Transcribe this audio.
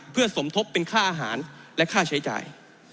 เพื่อสมทบเป็นค่าอาหารและค่าใช้จ่าย